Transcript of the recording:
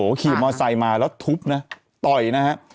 ขี่มอไซค์มาแล้วทุบนะต่อยนะฮะ